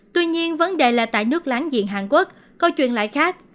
tuy nhiên vấn đề là tại nước láng giềng hàn quốc câu chuyện lại khác